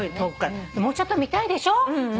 もうちょっと見たいでしょ？